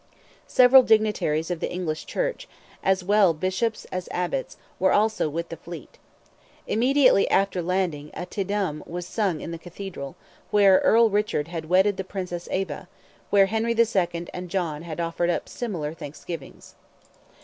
Several dignitaries of the English Church, as well Bishops as Abbots, were also with the fleet. Immediately after landing, a Te Deum was sung in the Cathedral, where Earl Richard had wedded the Princess Eva, where Henry II. and John had offered up similar thanksgivings.